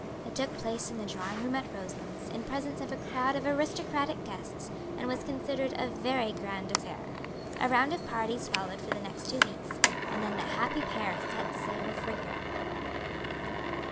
It took place in the drawing room at Roselands, in presence of a crowd of aristocratic guests, and was considered a very grand affair. A round of parties followed for the next two weeks, and then the happy pair set sail for Europe.